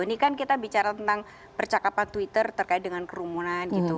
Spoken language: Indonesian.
ini kan kita bicara tentang percakapan twitter terkait dengan kerumunan gitu